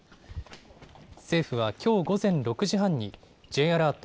政府はきょう午前６時半にＪアラート